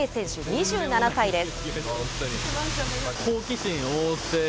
２７歳です。